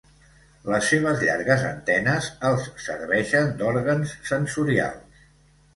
Les seves llargues antenes els serveixen d'òrgans sensorials.